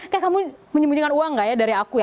kayak kamu menyembunyikan uang gak ya dari aku ya